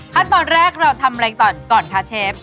ขั้นตอนแรกเราทำอะไรก่อนคะเชฟ